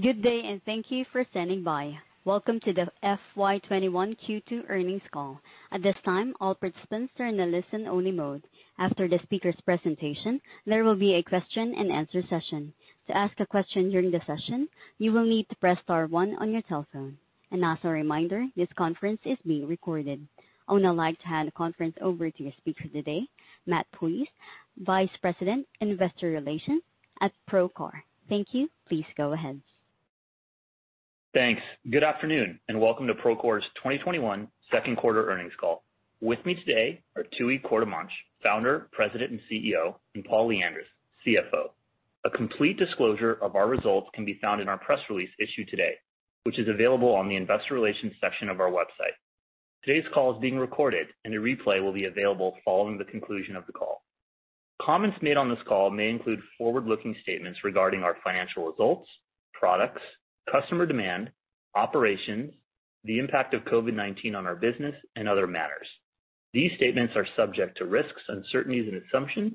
Good day, and thank you for standing by. Welcome to the FY 2021 Q2 earnings call. I would now like to hand the conference over to your speaker today, Matt Puljiz, Vice President, Investor Relations at Procore. Thank you. Please go ahead. Thanks. Good afternoon, and welcome to Procore's 2021 second quarter earnings call. With me today are Tooey Courtemanche, Founder, President, and CEO, and Paul Lyandres, CFO. A complete disclosure of our results can be found in our press release issued today, which is available on the investor relations section of our website. Today's call is being recorded, and a replay will be available following the conclusion of the call. Comments made on this call may include forward-looking statements regarding our financial results, products, customer demand, operations, the impact of COVID-19 on our business, and other matters. These statements are subject to risks, uncertainties, and assumptions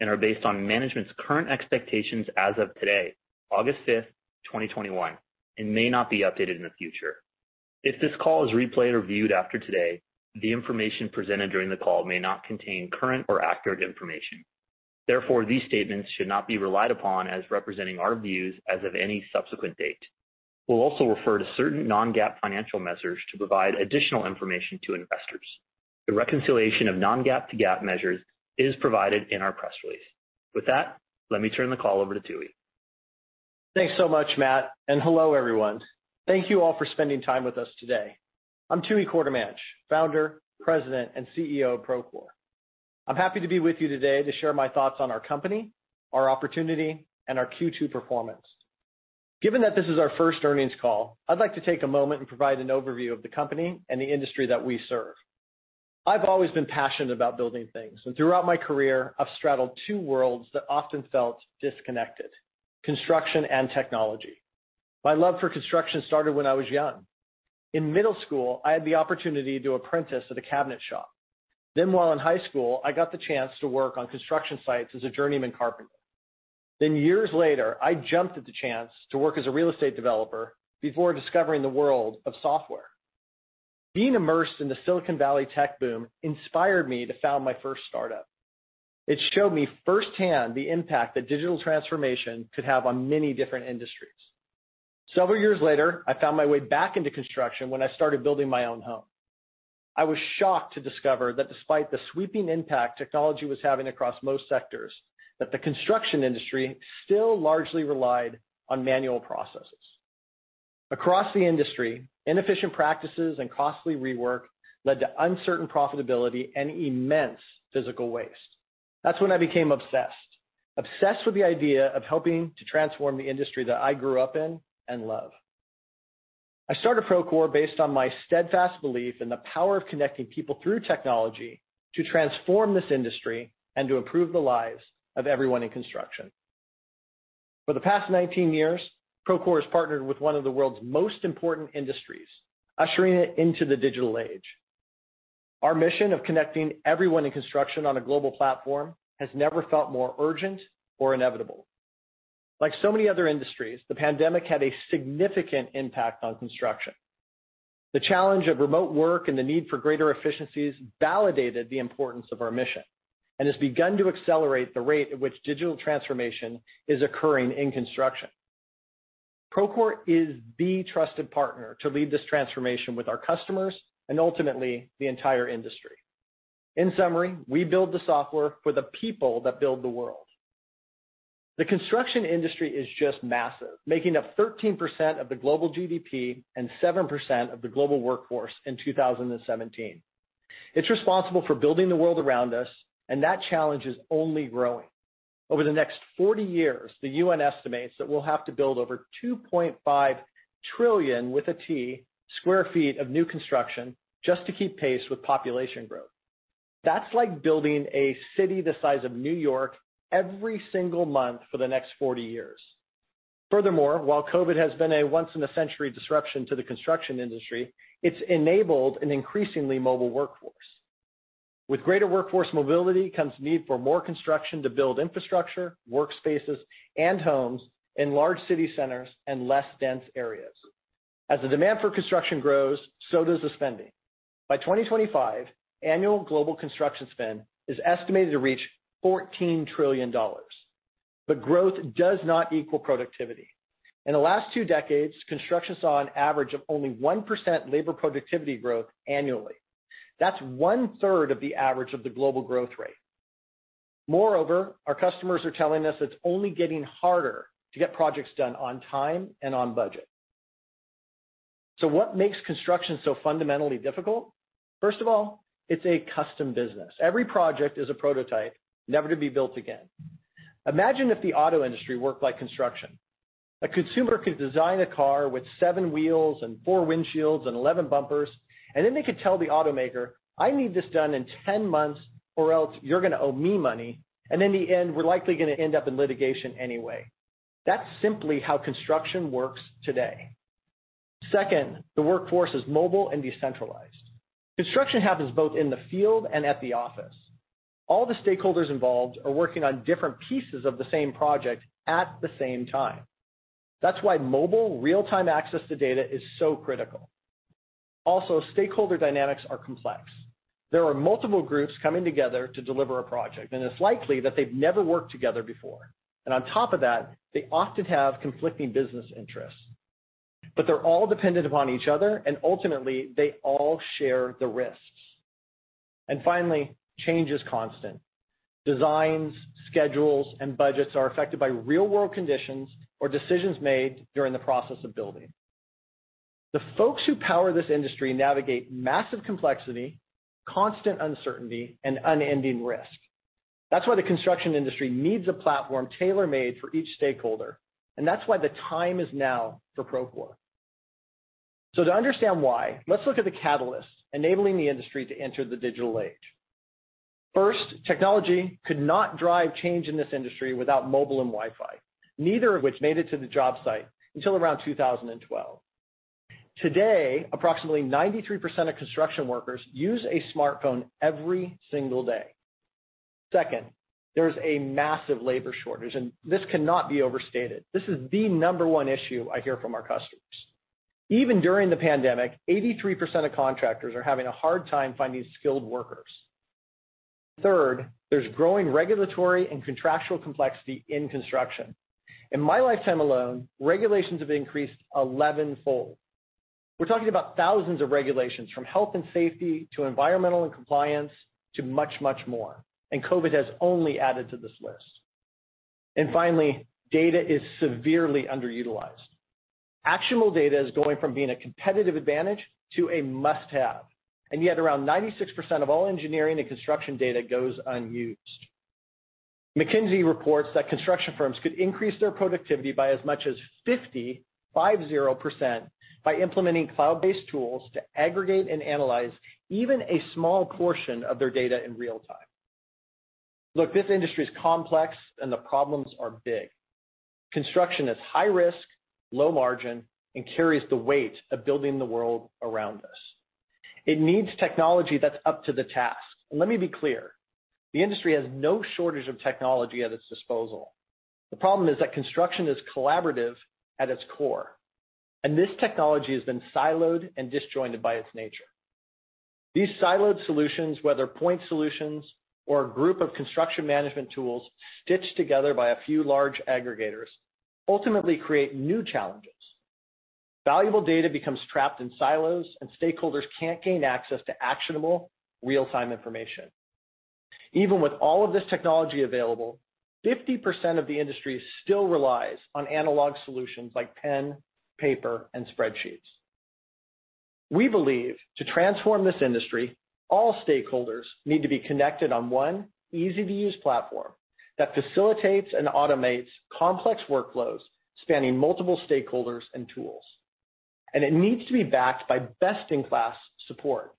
and are based on management's current expectations as of today, August 5th, 2021, and may not be updated in the future. If this call is replayed or viewed after today, the information presented during the call may not contain current or accurate information. Therefore, these statements should not be relied upon as representing our views as of any subsequent date. We'll also refer to certain non-GAAP financial measures to provide additional information to investors. The reconciliation of non-GAAP to GAAP measures is provided in our press release. With that, let me turn the call over to Tooey. Thanks so much, Matt. Hello, everyone. Thank you all for spending time with us today. I'm Tooey Courtemanche, Founder, President, and CEO of Procore. I'm happy to be with you today to share my thoughts on our company, our opportunity, and our Q2 performance. Given that this is our first earnings call, I'd like to take a moment and provide an overview of the company and the industry that we serve. I've always been passionate about building things, and throughout my career, I've straddled two worlds that often felt disconnected: construction and technology. My love for construction started when I was young. In middle school, I had the opportunity to apprentice at a cabinet shop. While in high school, I got the chance to work on construction sites as a journeyman carpenter. Years later, I jumped at the chance to work as a real estate developer before discovering the world of software. Being immersed in the Silicon Valley tech boom inspired me to found my first startup. It showed me firsthand the impact that digital transformation could have on many different industries. Several years later, I found my way back into construction when I started building my own home. I was shocked to discover that despite the sweeping impact technology was having across most sectors, that the construction industry still largely relied on manual processes. Across the industry, inefficient practices and costly rework led to uncertain profitability and immense physical waste. That's when I became obsessed. Obsessed with the idea of helping to transform the industry that I grew up in and love. I started Procore based on my steadfast belief in the power of connecting people through technology to transform this industry and to improve the lives of everyone in construction. For the past 19 years, Procore has partnered with one of the world's most important industries, ushering it into the digital age. Our mission of connecting everyone in construction on a global platform has never felt more urgent or inevitable. Like so many other industries, the pandemic had a significant impact on construction. The challenge of remote work and the need for greater efficiencies validated the importance of our mission and has begun to accelerate the rate at which digital transformation is occurring in construction. Procore is the trusted partner to lead this transformation with our customers and ultimately the entire industry. In summary, we build the software for the people that build the world. The construction industry is just massive, making up 13% of the global GDP and 7% of the global workforce in 2017. It's responsible for building the world around us, and that challenge is only growing. Over the next 40 years, the UN estimates that we'll have to build over 2.5 trillion, with a 'T', square feet of new construction just to keep pace with population growth. That's like building a city the size of New York every single month for the next 40 years. Furthermore, while COVID has been a once-in-a-century disruption to the construction industry, it's enabled an increasingly mobile workforce. With greater workforce mobility comes need for more construction to build infrastructure, workspaces, and homes in large city centers and less dense areas. As the demand for construction grows, so does the spending. By 2025, annual global construction spend is estimated to reach $14 trillion. Growth does not equal productivity. In the last two decades, construction saw an average of only 1% labor productivity growth annually. That's one-third of the average of the global growth rate. Our customers are telling us it's only getting harder to get projects done on time and on budget. What makes construction so fundamentally difficult? First of all, it's a custom business. Every project is a prototype, never to be built again. Imagine if the auto industry worked like construction. A consumer could design a car with seven wheels and four windshields and 11 bumpers, they could tell the automaker, "I need this done in 10 months, or else you're going to owe me money, and in the end, we're likely going to end up in litigation anyway." That's simply how construction works today. Second, the workforce is mobile and decentralized. Construction happens both in the field and at the office. All the stakeholders involved are working on different pieces of the same project at the same time. That's why mobile real-time access to data is so critical. Stakeholder dynamics are complex. There are multiple groups coming together to deliver a project, and it's likely that they've never worked together before. On top of that, they often have conflicting business interests. They're all dependent upon each other, and ultimately, they all share the risks. Finally, change is constant. Designs, schedules, and budgets are affected by real-world conditions or decisions made during the process of building. The folks who power this industry navigate massive complexity, constant uncertainty, and unending risk. That's why the construction industry needs a platform tailor-made for each stakeholder, and that's why the time is now for Procore. To understand why, let's look at the catalysts enabling the industry to enter the digital age. First, technology could not drive change in this industry without mobile and Wi-Fi, neither of which made it to the job site until around 2012. Today, approximately 93% of construction workers use a smartphone every single day. Second, there's a massive labor shortage, and this cannot be overstated. This is the number one issue I hear from our customers. Even during the pandemic, 83% of contractors are having a hard time finding skilled workers. Third, there's growing regulatory and contractual complexity in construction. In my lifetime alone, regulations have increased elevenfold. We're talking about thousands of regulations, from health and safety to environmental and compliance to much, much more, and COVID has only added to this list. Finally, data is severely underutilized. Actionable data is going from being a competitive advantage to a must-have, and yet around 96% of all engineering and construction data goes unused. McKinsey reports that construction firms could increase their productivity by as much as 50% by implementing cloud-based tools to aggregate and analyze even a small portion of their data in real time. Look, this industry is complex, and the problems are big. Construction is high risk, low margin, and carries the weight of building the world around us. It needs technology that's up to the task. Let me be clear, the industry has no shortage of technology at its disposal. The problem is that construction is collaborative at its core, and this technology has been siloed and disjointed by its nature. These siloed solutions, whether point solutions or a group of construction management tools stitched together by a few large aggregators, ultimately create new challenges. Valuable data becomes trapped in silos, and stakeholders can't gain access to actionable real-time information. Even with all of this technology available, 50% of the industry still relies on analog solutions like pen, paper, and spreadsheets. We believe to transform this industry, all stakeholders need to be connected on one easy-to-use platform that facilitates and automates complex workflows spanning multiple stakeholders and tools. It needs to be backed by best-in-class support.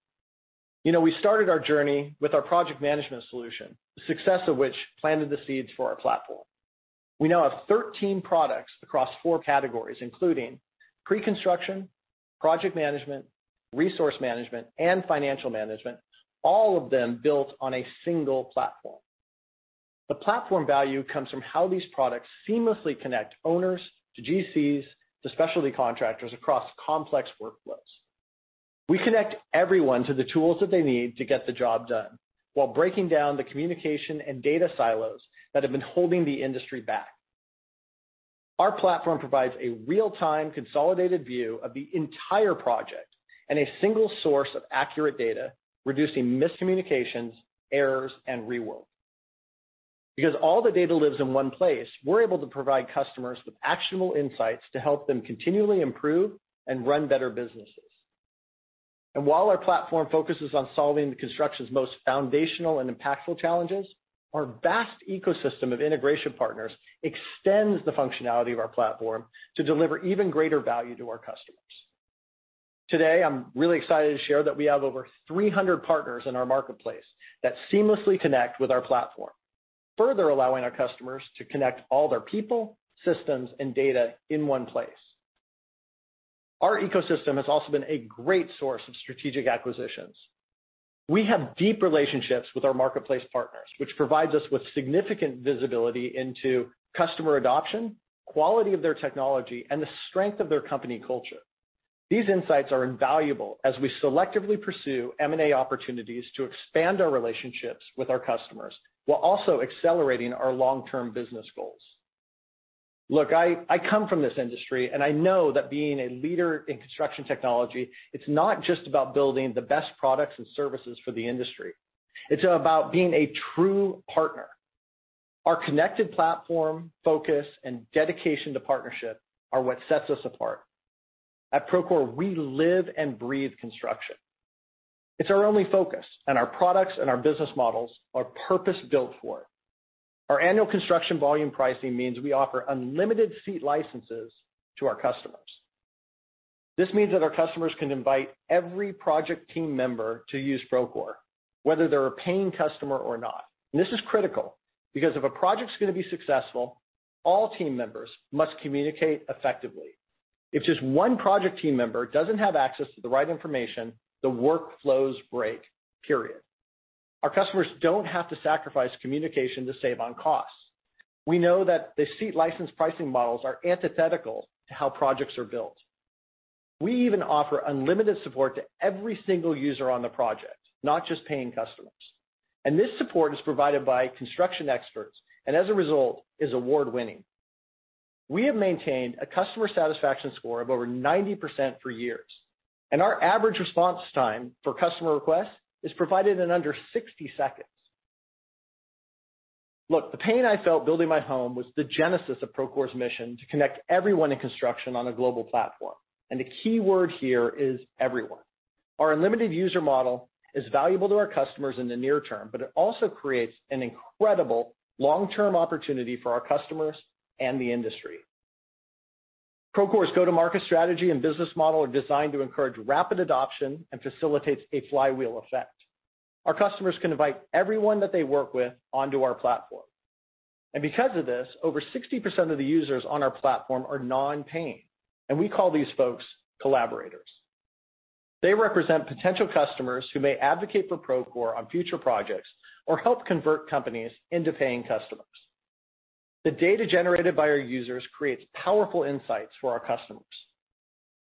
We started our journey with our project management solution, the success of which planted the seeds for our platform. We now have 13 products across four categories, including pre-construction, project management, resource management, and financial management, all of them built on a single platform. The platform value comes from how these products seamlessly connect owners to GCs, to specialty contractors across complex workflows. We connect everyone to the tools that they need to get the job done while breaking down the communication and data silos that have been holding the industry back. Our platform provides a real-time consolidated view of the entire project and a single source of accurate data, reducing miscommunications, errors, and rework. All the data lives in one place, we're able to provide customers with actionable insights to help them continually improve and run better businesses. While our platform focuses on solving the construction's most foundational and impactful challenges, our vast ecosystem of integration partners extends the functionality of our platform to deliver even greater value to our customers. Today, I'm really excited to share that we have over 300 partners in our marketplace that seamlessly connect with our platform, further allowing our customers to connect all their people, systems, and data in one place. Our ecosystem has also been a great source of strategic acquisitions. We have deep relationships with our marketplace partners, which provides us with significant visibility into customer adoption, quality of their technology, and the strength of their company culture. These insights are invaluable as we selectively pursue M&A opportunities to expand our relationships with our customers while also accelerating our long-term business goals. Look, I come from this industry, and I know that being a leader in construction technology, it's not just about building the best products and services for the industry. It's about being a true partner. Our connected platform, focus, and dedication to partnership are what sets us apart. At Procore, we live and breathe construction. It's our only focus, and our products and our business models are purpose-built for it. Our annual construction volume pricing means we offer unlimited seat licenses to our customers. This means that our customers can invite every project team member to use Procore, whether they're a paying customer or not. This is critical because if a project's going to be successful, all team members must communicate effectively. If just one project team member doesn't have access to the right information, the workflows break, period. Our customers don't have to sacrifice communication to save on costs. We know that the seat license pricing models are antithetical to how projects are built. We even offer unlimited support to every single user on the project, not just paying customers, and this support is provided by construction experts, and as a result, is award-winning. We have maintained a customer satisfaction score of over 90% for years, and our average response time for customer requests is provided in under 60 seconds. Look, the pain I felt building my home was the genesis of Procore's mission to connect everyone in construction on a global platform, and the key word here is everyone. Our unlimited user model is valuable to our customers in the near term, but it also creates an incredible long-term opportunity for our customers and the industry. Procore's go-to-market strategy and business model are designed to encourage rapid adoption and facilitates a flywheel effect. Our customers can invite everyone that they work with onto our platform. Because of this, over 60% of the users on our platform are non-paying, and we call these folks collaborators. They represent potential customers who may advocate for Procore on future projects or help convert companies into paying customers. The data generated by our users creates powerful insights for our customers.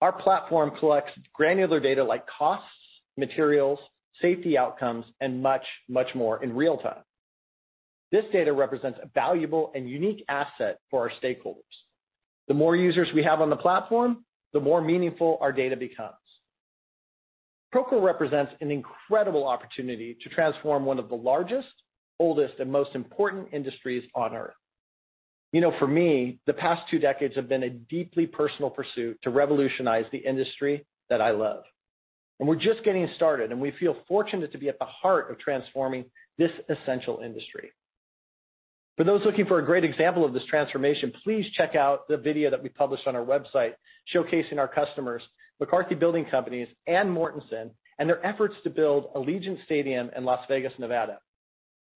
Our platform collects granular data like costs, materials, safety outcomes, and much, much more in real time. This data represents a valuable and unique asset for our stakeholders. The more users we have on the platform, the more meaningful our data becomes. Procore represents an incredible opportunity to transform one of the largest, oldest, and most important industries on Earth. For me, the past two decades have been a deeply personal pursuit to revolutionize the industry that I love. We're just getting started, and we feel fortunate to be at the heart of transforming this essential industry. For those looking for a great example of this transformation, please check out the video that we published on our website showcasing our customers, McCarthy Building Companies and Mortenson, and their efforts to build Allegiant Stadium in Las Vegas, Nevada.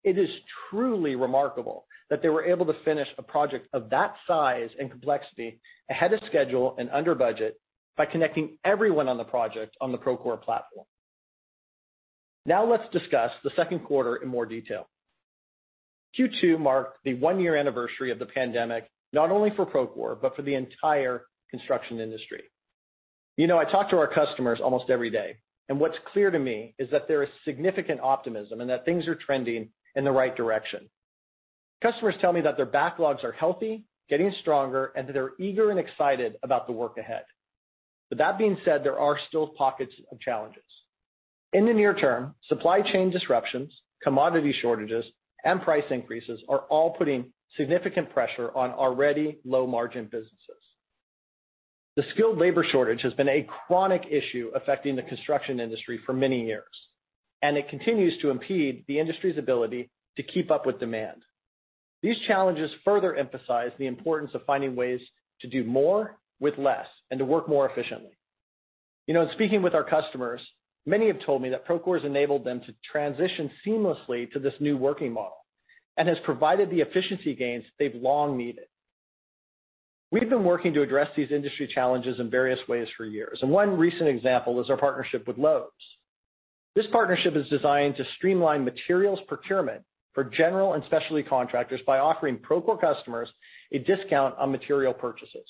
It is truly remarkable that they were able to finish a project of that size and complexity ahead of schedule and under budget by connecting everyone on the Procore platform. Now let's discuss the second quarter in more detail. Q2 marked the one-year anniversary of the pandemic, not only for Procore, but for the entire construction industry. I talk to our customers almost every day, and what's clear to me is that there is significant optimism and that things are trending in the right direction. Customers tell me that their backlogs are healthy, getting stronger, and that they're eager and excited about the work ahead. That being said, there are still pockets of challenges. In the near term, supply chain disruptions, commodity shortages, and price increases are all putting significant pressure on already low-margin businesses. The skilled labor shortage has been a chronic issue affecting the construction industry for many years, and it continues to impede the industry's ability to keep up with demand. These challenges further emphasize the importance of finding ways to do more with less and to work more efficiently. In speaking with our customers, many have told me that Procore's enabled them to transition seamlessly to this new working model and has provided the efficiency gains they've long needed. We've been working to address these industry challenges in various ways for years, and one recent example is our partnership with Lowe's. This partnership is designed to streamline materials procurement for general and specialty contractors by offering Procore customers a discount on material purchases.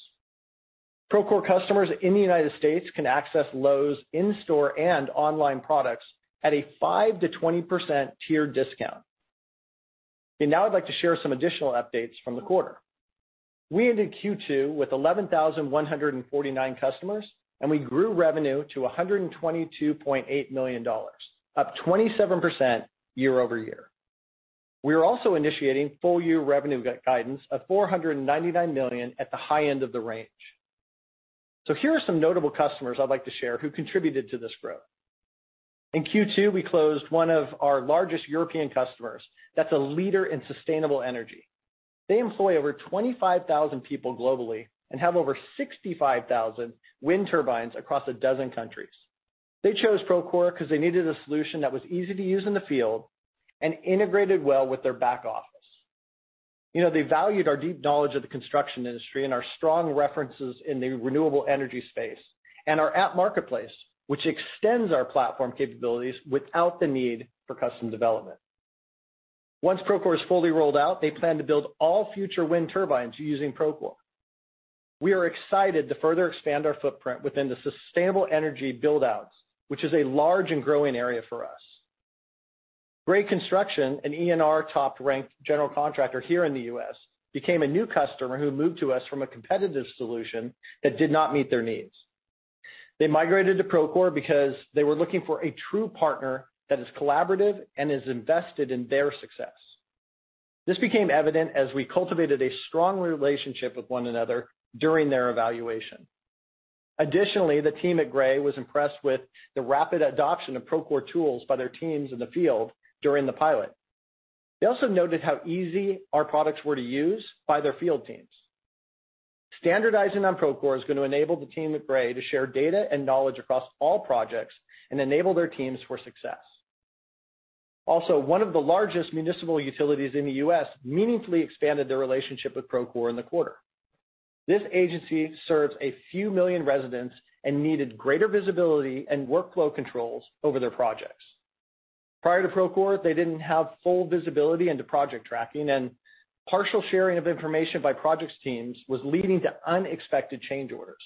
Procore customers in the United States can access Lowe's in-store and online products at a 5%-20% tiered discount. Now I'd like to share some additional updates from the quarter. We ended Q2 with 11,149 customers, and we grew revenue to $122.8 million, up 27% year-over-year. We are also initiating full-year revenue guidance of $499 million at the high end of the range. Here are some notable customers I'd like to share who contributed to this growth. In Q2, we closed one of our largest European customers that's a leader in sustainable energy. They employ over 25,000 people globally and have over 65,000 wind turbines across 12 countries. They chose Procore because they needed a solution that was easy to use in the field and integrated well with their back office. They valued our deep knowledge of the construction industry and our strong references in the renewable energy space, and our app marketplace, which extends our platform capabilities without the need for custom development. Once Procore is fully rolled out, they plan to build all future wind turbines using Procore. We are excited to further expand our footprint within the sustainable energy build-outs, which is a large and growing area for us. Gray Construction, an ENR top-ranked general contractor here in the U.S., became a new customer who moved to us from a competitive solution that did not meet their needs. They migrated to Procore because they were looking for a true partner that is collaborative and is invested in their success. This became evident as we cultivated a strong relationship with one another during their evaluation. Additionally, the team at Gray was impressed with the rapid adoption of Procore tools by their teams in the field during the pilot. They also noted how easy our products were to use by their field teams. Standardizing on Procore is going to enable the team at Gray to share data and knowledge across all projects and enable their teams for success. One of the largest municipal utilities in the U.S. meaningfully expanded their relationship with Procore in the quarter. This agency serves a few million residents and needed greater visibility and workflow controls over their projects. Prior to Procore, they didn't have full visibility into project tracking, and partial sharing of information by projects teams was leading to unexpected change orders.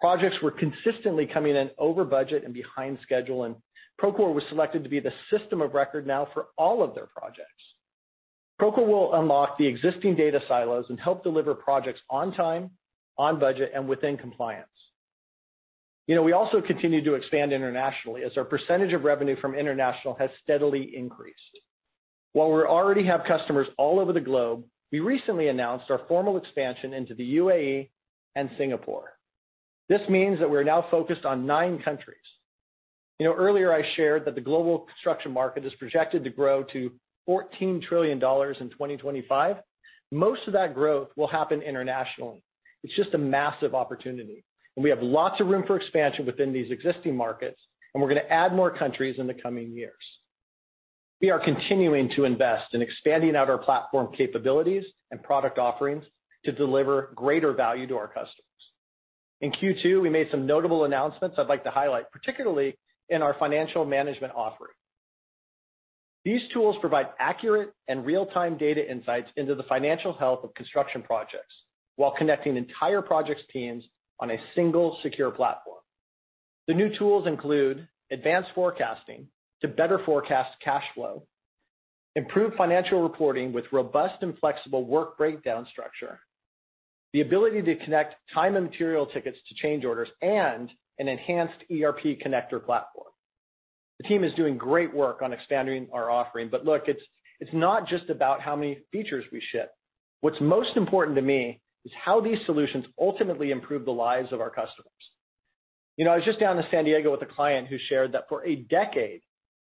Projects were consistently coming in over budget and behind schedule. Procore was selected to be the system of record now for all of their projects. Procore will unlock the existing data silos and help deliver projects on time, on budget, and within compliance. We also continue to expand internationally as our percentage of revenue from international has steadily increased. While we already have customers all over the globe, we recently announced our formal expansion into the UAE and Singapore. This means that we're now focused on nine countries. Earlier I shared that the global construction market is projected to grow to $14 trillion in 2025. Most of that growth will happen internationally. It's just a massive opportunity. We have lots of room for expansion within these existing markets. We're going to add more countries in the coming years. We are continuing to invest in expanding out our platform capabilities and product offerings to deliver greater value to our customers. In Q2, we made some notable announcements I'd like to highlight, particularly in our financial management offering. These tools provide accurate and real-time data insights into the financial health of construction projects while connecting entire projects teams on a single secure platform. The new tools include advanced forecasting to better forecast cash flow, improved financial reporting with robust and flexible work breakdown structure, the ability to connect time and material tickets to change orders, and an enhanced ERP connector platform. The team is doing great work on expanding our offering. Look, it's not just about how many features we ship. What's most important to me is how these solutions ultimately improve the lives of our customers. I was just down in San Diego with a client who shared that for a decade,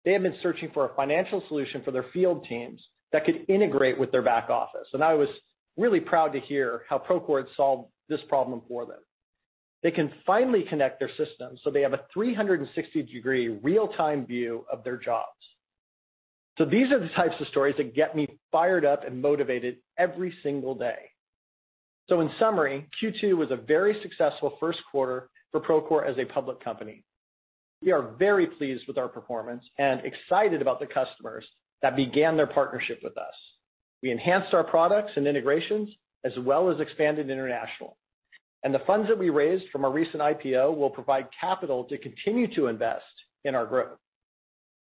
they have been searching for a financial solution for their field teams that could integrate with their back office. I was really proud to hear how Procore solved this problem for them. They can finally connect their systems. They have a 360-degree real-time view of their jobs. These are the types of stories that get me fired up and motivated every single day. In summary, Q2 was a very successful first quarter for Procore as a public company. We are very pleased with our performance and excited about the customers that began their partnership with us. We enhanced our products and integrations, as well as expanded international. The funds that we raised from our recent IPO will provide capital to continue to invest in our growth.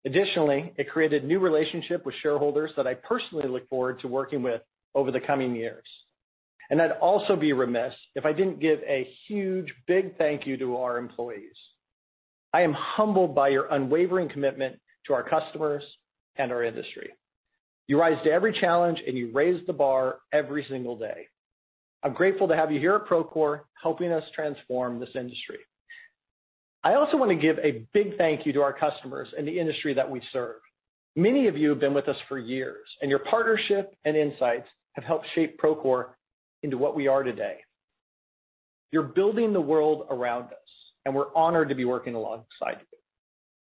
Additionally, it created new relationship with shareholders that I personally look forward to working with over the coming years. I'd also be remiss if I didn't give a huge big thank you to our employees. I am humbled by your unwavering commitment to our customers and our industry. You rise to every challenge, and you raise the bar every single day. I'm grateful to have you here at Procore helping us transform this industry. I also want to give a big thank you to our customers and the industry that we serve. Many of you have been with us for years, and your partnership and insights have helped shape Procore into what we are today. You're building the world around us, and we're honored to be working alongside you.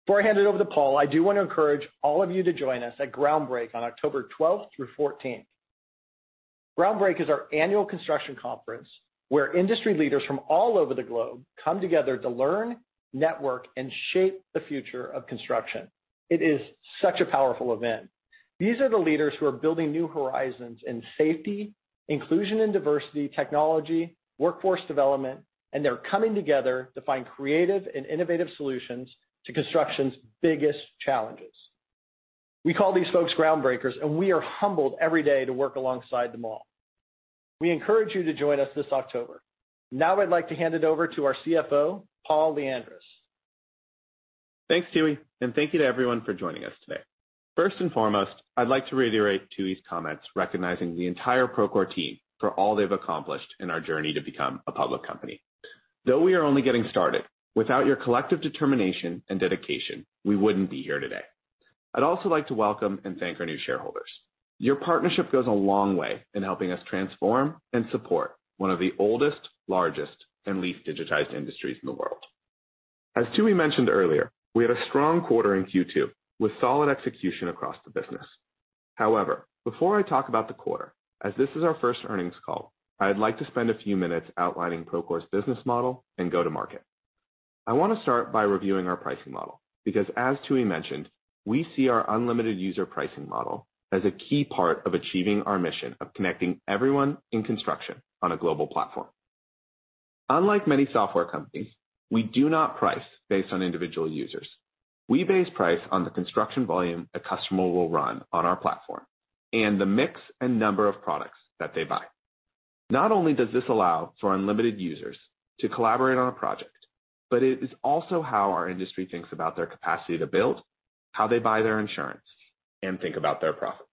Before I hand it over to Paul, I do want to encourage all of you to join us at Groundbreak on October 12th through 14th. Groundbreak is our annual construction conference where industry leaders from all over the globe come together to learn, network, and shape the future of construction. It is such a powerful event. These are the leaders who are building new horizons in safety, inclusion and diversity, technology, workforce development, and they're coming together to find creative and innovative solutions to construction's biggest challenges. We call these folks Groundbreakers, and we are humbled every day to work alongside them all. We encourage you to join us this October. Now I'd like to hand it over to our CFO, Paul Lyandres. Thanks, Tooey, and thank you to everyone for joining us today. First and foremost, I'd like to reiterate Tooey's comments recognizing the entire Procore team for all they've accomplished in our journey to become a public company. Though we are only getting started, without your collective determination and dedication, we wouldn't be here today. I'd also like to welcome and thank our new shareholders. Your partnership goes a long way in helping us transform and support one of the oldest, largest, and least digitized industries in the world. As Tooey mentioned earlier, we had a strong quarter in Q2 with solid execution across the business. Before I talk about the quarter, as this is our first earnings call, I'd like to spend a few minutes outlining Procore's business model and go to market. I want to start by reviewing our pricing model because, as Tooey mentioned, we see our unlimited user pricing model as a key part of achieving our mission of connecting everyone in construction on a global platform. Unlike many software companies, we do not price based on individual users. We base price on the construction volume a customer will run on our platform and the mix and number of products that they buy. Not only does this allow for unlimited users to collaborate on a project, but it is also how our industry thinks about their capacity to build, how they buy their insurance, and think about their profits.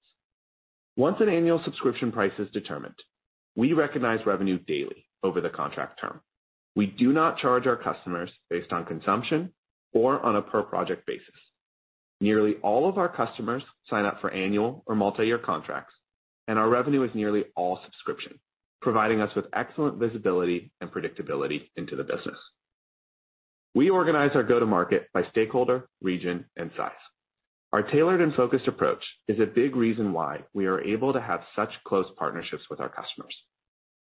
Once an annual subscription price is determined, we recognize revenue daily over the contract term. We do not charge our customers based on consumption or on a per-project basis. Nearly all of our customers sign up for annual or multi-year contracts, and our revenue is nearly all subscription, providing us with excellent visibility and predictability into the business. We organize our go-to-market by stakeholder, region, and size. Our tailored and focused approach is a big reason why we are able to have such close partnerships with our customers.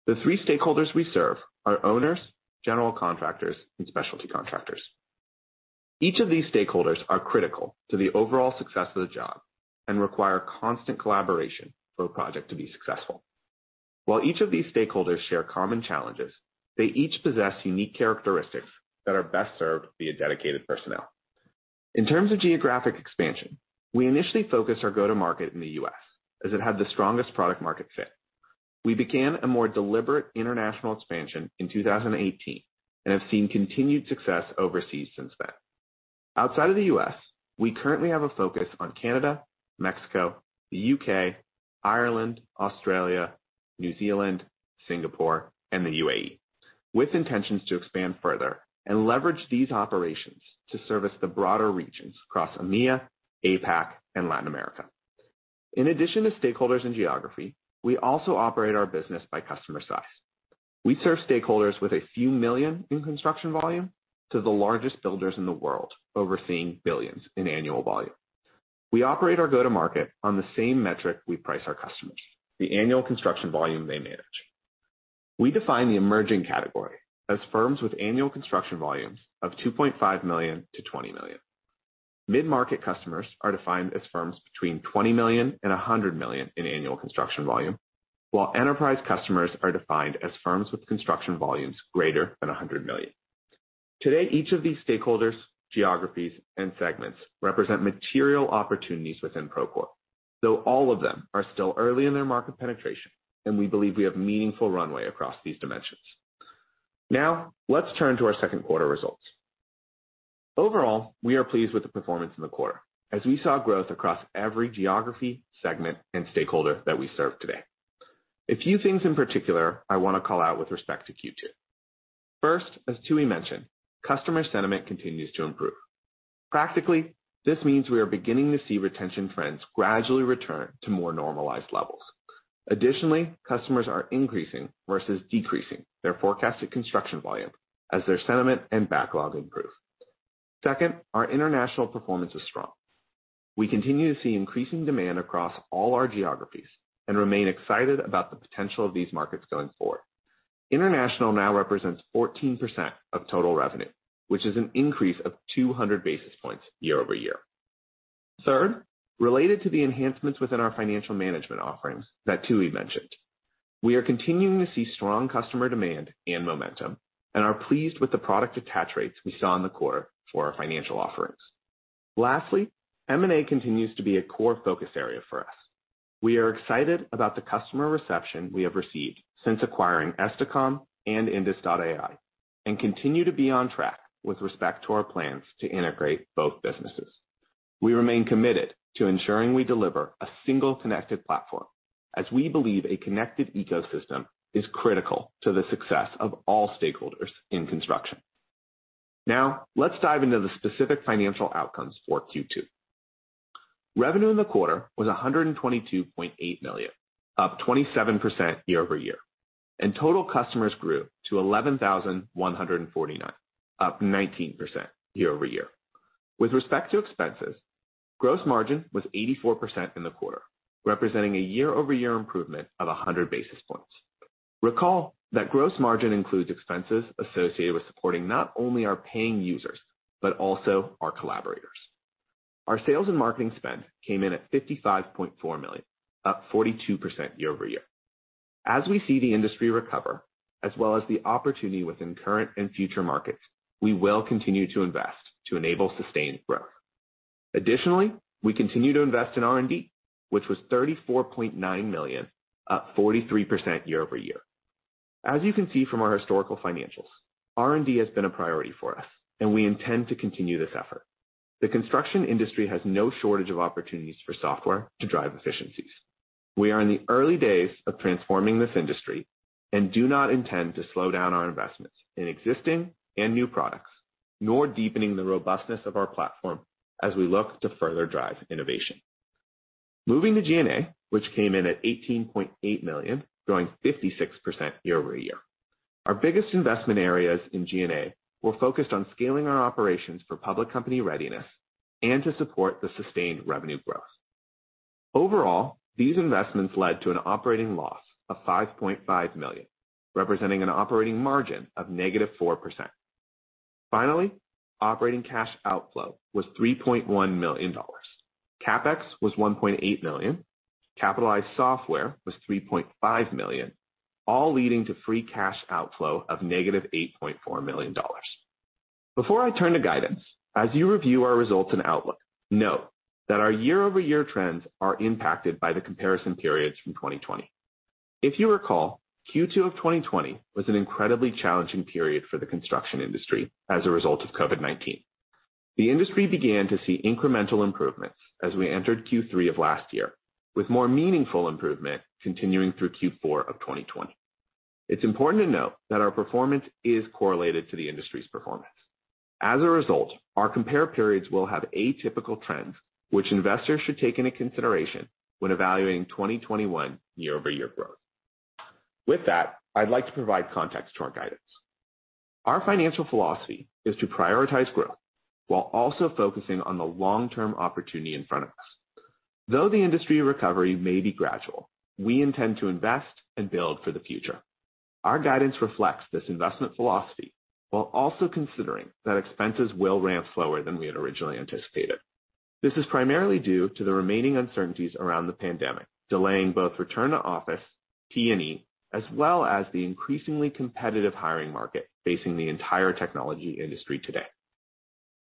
The three stakeholders we serve are owners, general contractors, and specialty contractors. Each of these stakeholders are critical to the overall success of the job and require constant collaboration for a project to be successful. While each of these stakeholders share common challenges, they each possess unique characteristics that are best served via dedicated personnel. In terms of geographic expansion, we initially focused our go-to-market in the U.S., as it had the strongest product market fit. We began a more deliberate international expansion in 2018 and have seen continued success overseas since then. Outside of the U.S., we currently have a focus on Canada, Mexico, the U.K., Ireland, Australia, New Zealand, Singapore, and the U.A.E., with intentions to expand further and leverage these operations to service the broader regions across EMEA, APAC, and Latin America. In addition to stakeholders and geography, we also operate our business by customer size. We serve stakeholders with a few million in construction volume to the largest builders in the world, overseeing billions in annual volume. We operate our go-to-market on the same metric we price our customers, the annual construction volume they manage. We define the emerging category as firms with annual construction volumes of $2.5 million-$20 million. Mid-market customers are defined as firms between $20 million and $100 million in annual construction volume, while enterprise customers are defined as firms with construction volumes greater than $100 million. Today, each of these stakeholders, geographies, and segments represent material opportunities within Procore, though all of them are still early in their market penetration, and we believe we have meaningful runway across these dimensions. Let's turn to our second quarter results. Overall, we are pleased with the performance in the quarter as we saw growth across every geography, segment, and stakeholder that we serve today. A few things in particular I want to call out with respect to Q2. First, as Tooey mentioned, customer sentiment continues to improve. Practically, this means we are beginning to see retention trends gradually return to more normalized levels. Additionally, customers are increasing versus decreasing their forecasted construction volume as their sentiment and backlog improve. Second, our international performance is strong. We continue to see increasing demand across all our geographies and remain excited about the potential of these markets going forward. International now represents 14% of total revenue, which is an increase of 200 basis points year-over-year. Third, related to the enhancements within our financial management offerings that Tooey mentioned, we are continuing to see strong customer demand and momentum and are pleased with the product attach rates we saw in the quarter for our financial offerings. Lastly, M&A continues to be a core focus area for us. We are excited about the customer reception we have received since acquiring Esticom and INDUS.AI, and continue to be on track with respect to our plans to integrate both businesses. We remain committed to ensuring we deliver a single connected platform, as we believe a connected ecosystem is critical to the success of all stakeholders in construction. Now, let's dive into the specific financial outcomes for Q2. Revenue in the quarter was $122.8 million, up 27% year-over-year. Total customers grew to 11,149, up 19% year-over-year. With respect to expenses, gross margin was 84% in the quarter, representing a year-over-year improvement of 100 basis points. Recall that gross margin includes expenses associated with supporting not only our paying users, but also our collaborators. Our sales and marketing spend came in at $55.4 million, up 42% year-over-year. We see the industry recover, as well as the opportunity within current and future markets, we will continue to invest to enable sustained growth. Additionally, we continue to invest in R&D, which was $34.9 million, up 43% year-over-year. As you can see from our historical financials, R&D has been a priority for us, we intend to continue this effort. The construction industry has no shortage of opportunities for software to drive efficiencies. We are in the early days of transforming this industry and do not intend to slow down our investments in existing and new products, nor deepening the robustness of our platform as we look to further drive innovation. Moving to G&A, which came in at $18.8 million, growing 56% year-over-year. Our biggest investment areas in G&A were focused on scaling our operations for public company readiness and to support the sustained revenue growth. Overall, these investments led to an operating loss of $5.5 million, representing an operating margin of negative 4%. Finally, operating cash outflow was $3.1 million. CapEx was $1.8 million, capitalized software was $3.5 million, all leading to free cash outflow of negative $8.4 million. Before I turn to guidance, as you review our results and outlook, note that our year-over-year trends are impacted by the comparison periods from 2020. If you recall, Q2 of 2020 was an incredibly challenging period for the construction industry as a result of COVID-19. The industry began to see incremental improvements as we entered Q3 of last year, with more meaningful improvement continuing through Q4 of 2020. It's important to note that our performance is correlated to the industry's performance. As a result, our compare periods will have atypical trends, which investors should take into consideration when evaluating 2021 year-over-year growth. With that, I'd like to provide context to our guidance. Our financial philosophy is to prioritize growth while also focusing on the long-term opportunity in front of us. Though the industry recovery may be gradual, we intend to invest and build for the future. Our guidance reflects this investment philosophy, while also considering that expenses will ramp slower than we had originally anticipated. This is primarily due to the remaining uncertainties around the pandemic, delaying both return to office, T&E, as well as the increasingly competitive hiring market facing the entire technology industry today.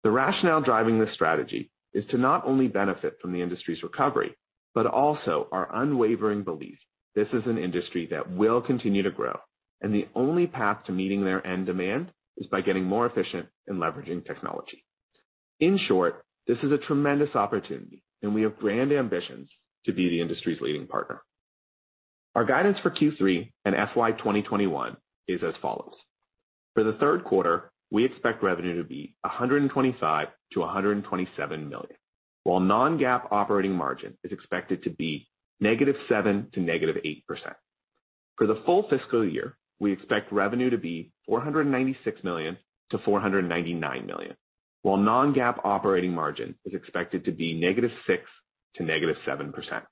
The rationale driving this strategy is to not only benefit from the industry's recovery, but also our unwavering belief this is an industry that will continue to grow, and the only path to meeting their end demand is by getting more efficient and leveraging technology. In short, this is a tremendous opportunity, and we have grand ambitions to be the industry's leading partner. Our guidance for Q3 and FY 2021 is as follows. For the third quarter, we expect revenue to be $125 million-$127 million, while non-GAAP operating margin is expected to be -7% to -8%. For the full fiscal year, we expect revenue to be $496 million-$499 million, while non-GAAP operating margin is expected to be -6% to -7%.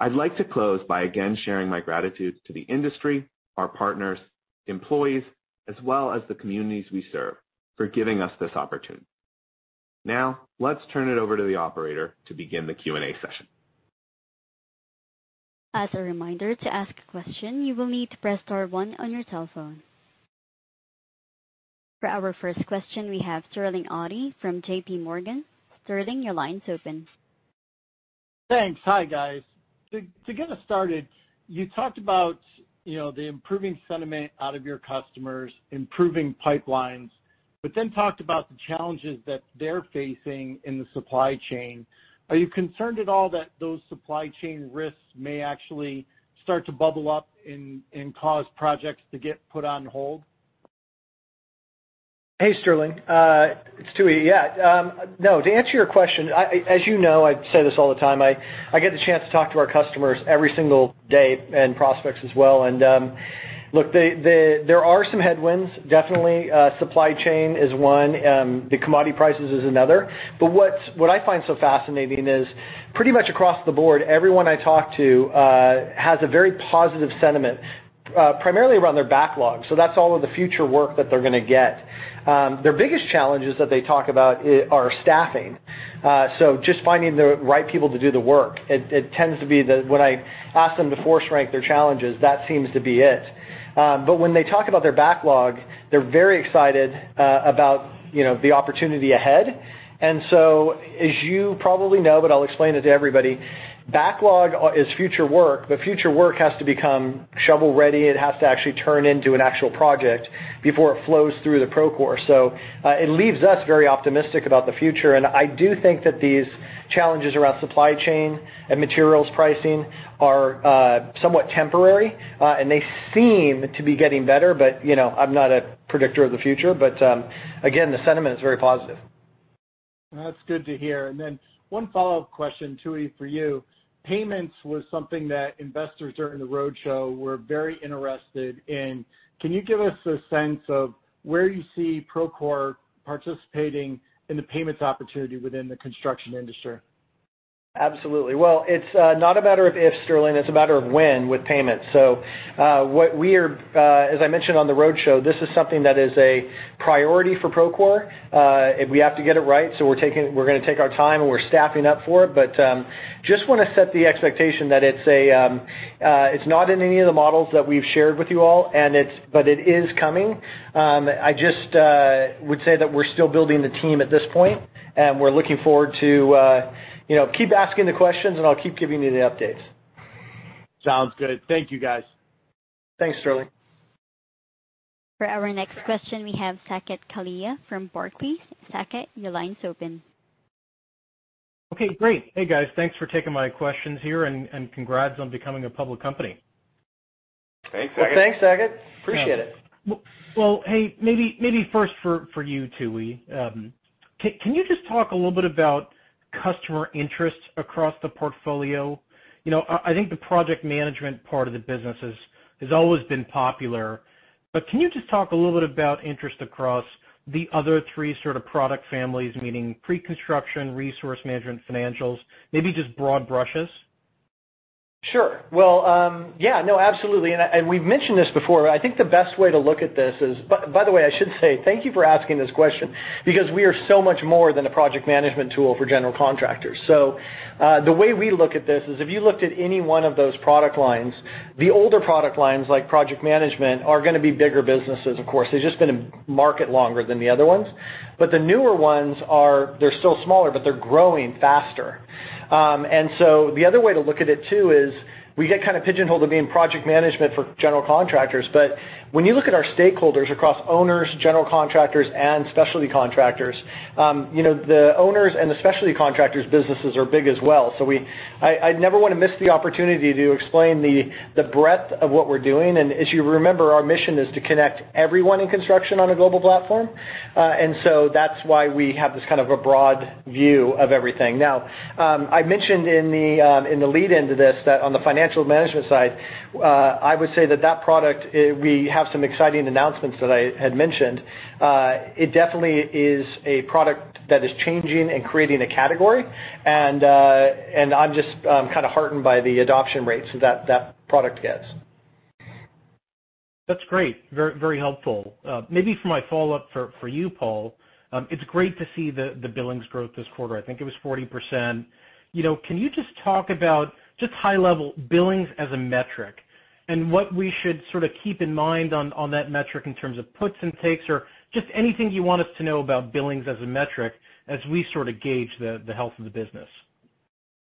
I'd like to close by again sharing my gratitude to the industry, our partners, employees, as well as the communities we serve for giving us this opportunity. Now, let's turn it over to the operator to begin the Q&A session. As a reminder, to ask a question, you will need to press star one on your telephone. For our first question, we have Sterling Auty from JPMorgan. Sterling, your line's open. Thanks. Hi, guys. To get us started, you talked about the improving sentiment out of your customers, improving pipelines, but then talked about the challenges that they're facing in the supply chain. Are you concerned at all that those supply chain risks may actually start to bubble up and cause projects to get put on hold? Hey, Sterling. It's Tooey. Yeah. No, to answer your question, as you know, I say this all the time, I get the chance to talk to our customers every single day, and prospects as well. Look, there are some headwinds, definitely. Supply chain is one, the commodity prices is another. What I find so fascinating is pretty much across the board, everyone I talk to has a very positive sentiment, primarily around their backlog. That's all of the future work that they're going to get. Their biggest challenges that they talk about are staffing. Just finding the right people to do the work. It tends to be when I ask them to force rank their challenges, that seems to be it. When they talk about their backlog, they're very excited about the opportunity ahead. As you probably know, but I'll explain it to everybody, backlog is future work, but future work has to become shovel-ready. It has to actually turn into an actual project before it flows through the Procore. It leaves us very optimistic about the future, and I do think that these challenges around supply chain and materials pricing are somewhat temporary, and they seem to be getting better, but I'm not a predictor of the future. Again, the sentiment is very positive. That's good to hear. One follow-up question, Tooey, for you. Payments was something that investors during the roadshow were very interested in. Can you give us a sense of where you see Procore participating in the payments opportunity within the construction industry? Absolutely. Well, it's not a matter of if, Sterling, it's a matter of when with payments. As I mentioned on the roadshow, this is something that is a priority for Procore. We have to get it right, so we're going to take our time, and we're staffing up for it. Just want to set the expectation that it's not in any of the models that we've shared with you all, but it is coming. I just would say that we're still building the team at this point, and we're looking forward to keep asking the questions, and I'll keep giving you the updates. Sounds good. Thank you, guys. Thanks, Sterling. For our next question, we have Saket Kalia from Barclays. Saket, your line's open. Okay, great. Hey, guys. Thanks for taking my questions here, and congrats on becoming a public company. Thanks, Saket. Thanks, Saket. Appreciate it. Well, hey, maybe first for you, Tooey. Can you just talk a little bit about customer interest across the portfolio? I think the project management part of the business has always been popular, but can you just talk a little bit about interest across the other three product families, meaning pre-construction, resource management, financials, maybe just broad brushes? Sure. Well, yeah. No, absolutely. We've mentioned this before, I think the best way to look at this is By the way, I should say thank you for asking this question, because we are so much more than a project management tool for general contractors. The way we look at this is if you looked at any one of those product lines, the older product lines, like project management, are going to be bigger businesses, of course. They've just been in market longer than the other ones. The newer ones are still smaller, but they're growing faster. The other way to look at it too is we get kind of pigeonholed to being project management for general contractors. When you look at our stakeholders across owners, general contractors, and specialty contractors, the owners and the specialty contractors businesses are big as well. I'd never want to miss the opportunity to explain the breadth of what we're doing. As you remember, our mission is to connect everyone in construction on a global platform. That's why we have this kind of a broad view of everything. Now, I mentioned in the lead into this, that on the financial management side, I would say that that product, we have some exciting announcements that I had mentioned. It definitely is a product that is changing and creating a category. I'm just kind of heartened by the adoption rates that that product gets. That's great. Very helpful. Maybe for my follow-up for you, Paul, it's great to see the billings growth this quarter. I think it was 40%. Can you just talk about, just high level, billings as a metric, and what we should sort of keep in mind on that metric in terms of puts and takes or just anything you want us to know about billings as a metric as we sort of gauge the health of the business?